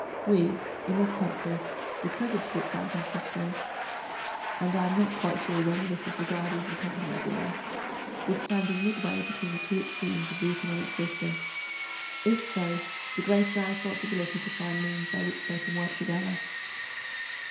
We, in this country, were credited at San Francisco—and I am not quite sure whether this is regarded as a compliment or not—with standing midway between the two extremes of the economic system. If so, the greater our responsibility to find means by which they can work together.